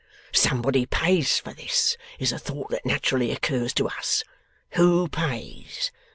Somebody pays for this, is a thought that naturally occurs to us; who pays?